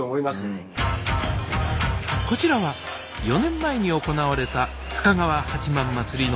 こちらは４年前に行われた深川八幡祭りの映像です